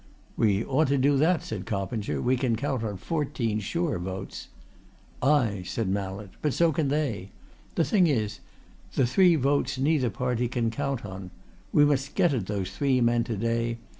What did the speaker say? "We ought to do that," said Coppinger. "We can count on fourteen sure votes." "Ay!" said Mallett. "But so can they! The thing is the three votes neither party can count on. We must get at those three men to day.